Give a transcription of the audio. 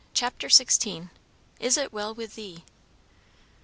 CHAPTER XVI. IS IT WELL WITH THEE?